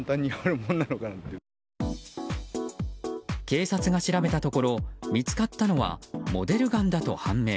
警察が調べたところ見つかったのはモデルガンだと判明。